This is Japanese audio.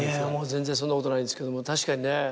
全然そんなことないですけども確かにね